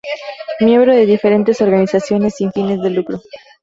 Miembro de diferentes organizaciones sin fines de lucro.